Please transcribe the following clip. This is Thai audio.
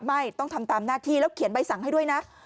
ไม่ต้องทำตามหน้าที่แล้วเขียนใบสั่งให้ด้วยนะ